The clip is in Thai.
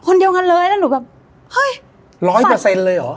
คนเดียวงั้นเลยหลายเปอร์เซ็นต์เลยเหรอ